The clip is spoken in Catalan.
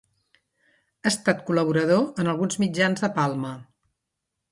Ha estat col·laborador en alguns mitjans de Palma.